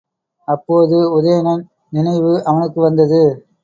அப்போது உதயணன் நினைவு அவனுக்கு வந்தது.